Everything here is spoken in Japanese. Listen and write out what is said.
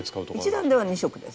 １段では２色です。